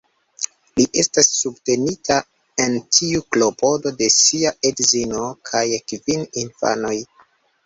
Li estas subtenita en tiu klopodo de sia edzino kaj kvin infanoj.